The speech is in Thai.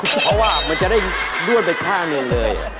เพราะว่ามันจะได้ด้วนเป็นข้าเนินเลย